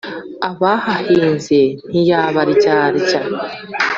Abahahinze ntiyabaryarya;